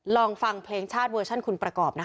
ลองฟังเพลงชาติเวอร์ชันคุณประกอบนะคะ